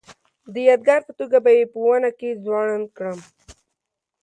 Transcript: د یادګار په توګه به یې په ونه کې ځوړنده کړم.